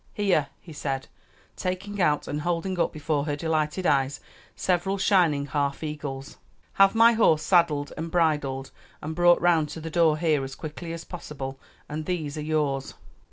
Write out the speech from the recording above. "Here," he said, taking out, and holding up before her delighted eyes, several shining half eagles; "have my horse saddled and bridled and brought round to the door here as quickly as possible, and these are yours."